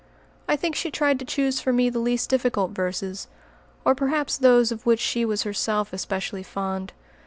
I think she tried to choose for me the least difficult verses, or perhaps those of which she was herself especially fond.